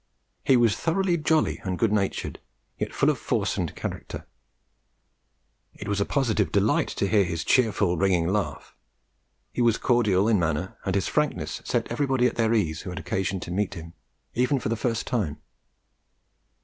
He was thoroughly "jolly" and good natured, yet full of force and character. It was a positive delight to hear his cheerful, ringing laugh. He was cordial in manner, and his frankness set everybody at their ease who had occasion to meet him, even for the first time.